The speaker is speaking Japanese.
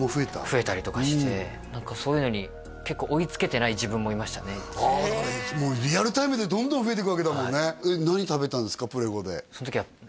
増えたりとかして何かそういうのに結構追いつけてない自分もいましたねああだからもうリアルタイムでどんどん増えていくわけだもんね何食べたんですか？